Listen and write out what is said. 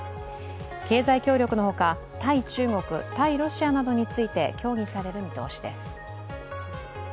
経済協力のほか、対中国、対ロシアなどについて協議される見通しです。